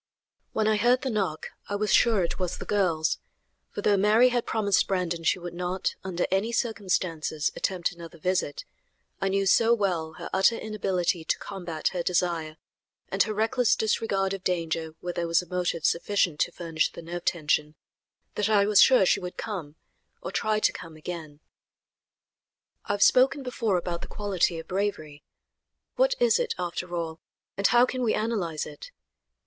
When I heard the knock I was sure it was the girls, for though Mary had promised Brandon she would not, under any circumstances, attempt another visit, I knew so well her utter inability to combat her desire, and her reckless disregard of danger where there was a motive sufficient to furnish the nerve tension, that I was sure she would come, or try to come, again. I have spoken before about the quality of bravery. What is it, after all, and how can we analyze it?